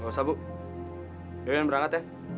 gak usah bu jangan berangkat ya